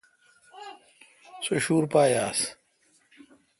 سو ݭر پا آس۔